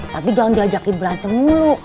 tapi jangan diajakin belanceng mulu